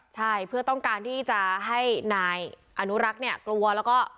ใช่เพื่อต้องการที่จะให้นายอนุรักษ์เนี่ยกลัวแล้วก็